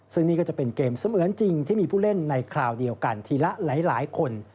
ซึ่งนี่ก็จะเป็นเกมเสมือนจริงที่มีผู้เล่นในคราวเดียวกันทีละหลายคน